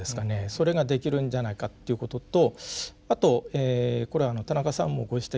それができるんじゃないかっていうこととあとこれは田中さんもご指摘になったようにですね